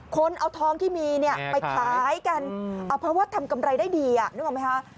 คนเอาทองที่มีเนี่ยไปขายกันเอาเพราะว่าทำกำไรได้ดีนึกออกไหมคะ